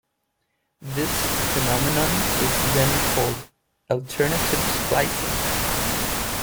This phenomenon is then called alternative splicing.